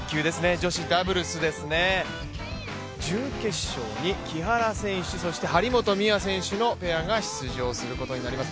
女子ダブルスですね、準決勝に木原選手、そして張本美和選手のペアが出場することになります。